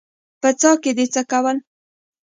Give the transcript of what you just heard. _په څاه کې دې څه کول؟